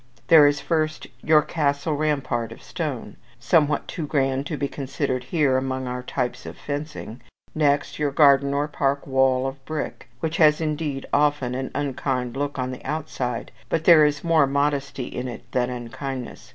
There is, first, your castle rampart of stone somewhat too grand to be considered here among our types of fencing; next, your garden or park wall of brick, which has indeed often an unkind look on the outside, but there is more modesty in it than unkindness.